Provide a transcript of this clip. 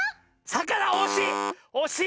さかなおしい！